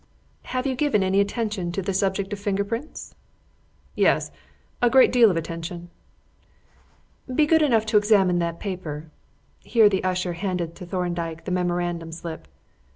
"Have you given any attention to the subject of finger prints?" "Yes. A great deal of attention." "Be good enough to examine that paper" (here the usher handed to Thorndyke the memorandum slip).